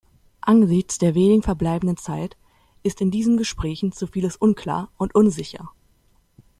Angesichts der wenigen verbleibenden Zeit ist in diesen Gesprächen zu vieles unklar und unsicher.